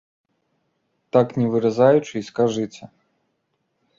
Так не выразаючы і скажыце.